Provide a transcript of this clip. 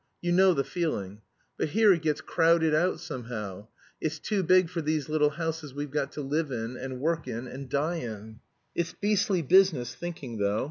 You know the feeling? But here it gets crowded out somehow; it's too big for these little houses we've got to live in, and work in, and die in. It's beastly business thinking, though.